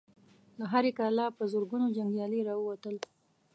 له هرې کلا په زرګونو جنګيالي را ووتل.